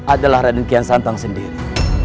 adalah raden kian santang sendiri